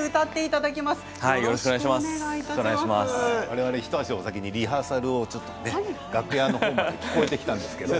我々、一足先にリハーサルを楽屋にいて聞こえてきたんですけれど。